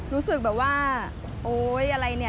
รู้สึกแบบว่าโอ๊ยอะไรเนี่ย